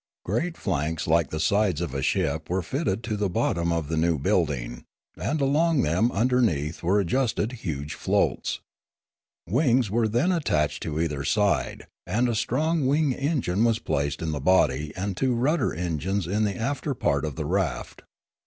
Great flanks like the sides of a ship were fitted to the bottom of the new building, and along them underneath were adjusted huge floats. Wings were then attached to either side, and a strong wing eugine was placed in the body and two rudder engines in the after part of the raft.